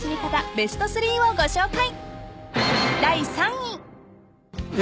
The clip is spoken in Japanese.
ベスト３をご紹介］